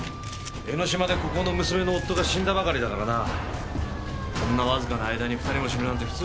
江の島でここの娘の夫が死んだばかりだからなこんな僅かな間に２人も死ぬなんて普通じゃ考えられんだろう